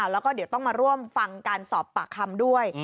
แล้วก็เดี๋ยวต้องมาร่วมฟังการสอบปากคำด้วย